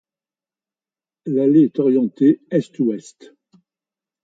L'allée est orientée est-ouest.